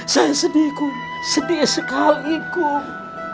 saya sedih kum sedih sekali kum